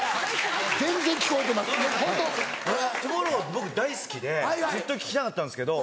僕大好きでずっと聞きたかったんですけど。